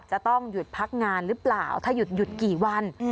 จะต้องหยุดพักงานหรือเปล่าถ้าหยุดกี่วัน